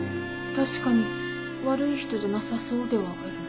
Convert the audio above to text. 確かに悪い人じゃなさそうではある。